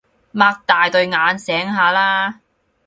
擘大對眼醒下啦